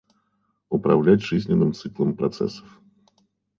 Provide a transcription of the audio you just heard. Управлять жизненным циклом процессов